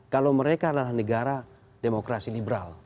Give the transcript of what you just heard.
kalau mereka adalah negara demokrasi liberal